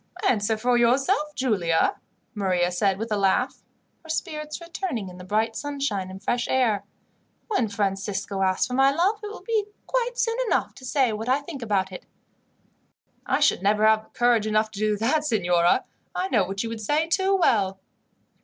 "Answer for yourself, Giulia," Maria said with a laugh, her spirits returning in the bright sunshine and fresh air. "When Francisco asks for my love, it will be quite soon enough to say what I think about it." "I should never have courage enough to do that, signora. I know what you would say too well."